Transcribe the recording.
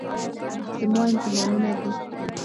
زما امتحانونه دي.